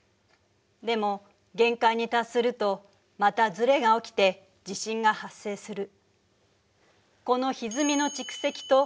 でも限界に達するとまたずれが起きて地震が発生する。